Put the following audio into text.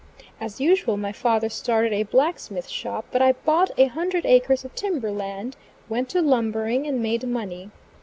As usual my father started a blacksmith shop; but I bought a hundred acres of timber land, went to lumbering, and made money.